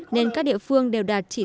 nên các địa phương đều đạt chỉ tuyển